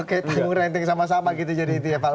oke tim ranting sama sama gitu jadi itu ya pak